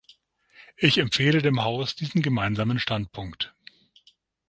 Ich empfehle dem Haus diesen Gemeinsamen Standpunkt.